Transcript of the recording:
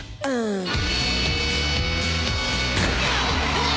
うわ！